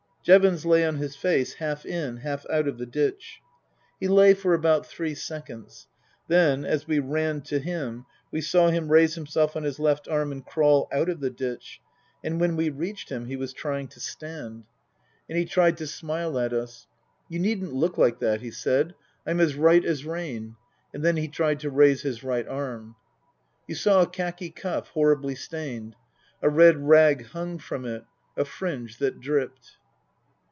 Jevons lay on his face, half in, half out of the ditch. He lay for about three seconds ; then, as we ran to him, we saw him raise himself on his left arm and crawl out of the ditch ; and when we reached him he was trying to stand. Book III: His Book 325 And he tried to smile at us. " You needn't look like that," he said. "I'm as right as rain." And then he tried to raise his right arm. You saw a khaki cuff, horribly stained. A red rag hung from it, a fringe that dripped.